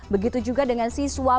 begitu juga dengan siswa